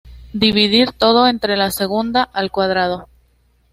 Dividir todo entre la segunda al cuadrado.